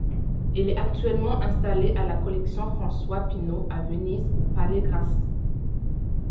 Elle est actuellement installée à la Collection François Pinault à Venise, au palais Grassi.